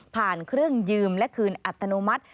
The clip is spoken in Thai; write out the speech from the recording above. เครื่องยืมและคืนอัตโนมัติ